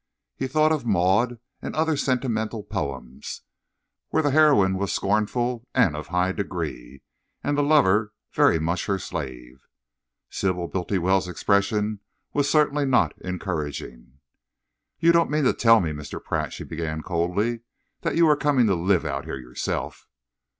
He thought of "Maud" and other sentimental poems, where the heroine was scornful and of high degree, and the lover very much her slave. Sybil Bultiwell's expression was certainly not encouraging. "You don't mean to tell me, Mr. Pratt," she began coldly, "that you are coming to live out here yourself?"